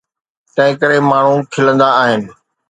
تنهنڪري ماڻهو کلندا آهن.